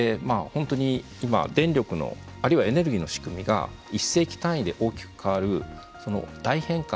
本当に今電力のあるいはエネルギーの仕組みが一世紀単位で大きく変わる大変革